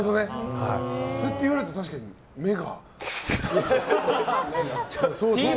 そうやって言われてみると確かに、目が。